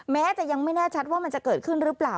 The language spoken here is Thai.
แม้จะยังไม่แน่ชัดว่ามันจะเกิดขึ้นหรือเปล่า